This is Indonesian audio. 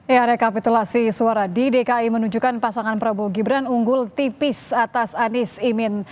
ya rekapitulasi suara di dki menunjukkan pasangan prabowo gibran unggul tipis atas anies imin